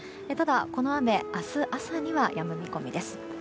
ただ、この雨明日朝にはやむ見込みです。